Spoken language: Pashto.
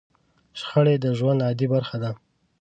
شخړې د ژوند عادي برخه ده.